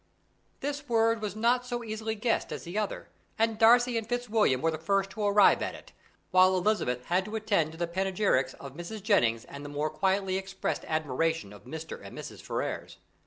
This word was not so easily guessed as the other, and Darcy and Fitzwilliam were the first to arrive at it, while Elizabeth had to attend to the panegyrics of Mrs. Jennings and the more quietly expressed admiration of Mr. and Mrs. Ferrars.